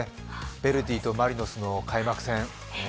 ヴェルディとマリノスの開幕戦。